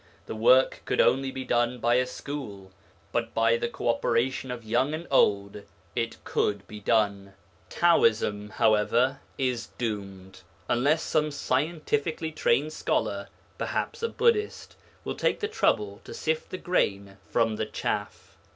The work could only be done by a school, but by the co operation of young and old it could be done. Taoism, however, is doomed, unless some scientifically trained scholar (perhaps a Buddhist) will take the trouble to sift the grain from the chaff.